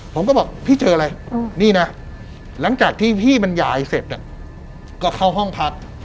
ผมก็บอกพี่เจออะไรนี่นะหลังจากที่พี่มันยายเสร็จเนี่ยก็เข้าห้องพัก